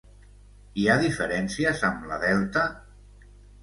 Hi ha diferències amb la delta?